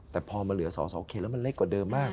แต่พอมาเหลือสอสอเขตแล้วมันเล็กกว่าเดิมมาก